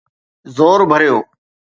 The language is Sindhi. زور ڀريو،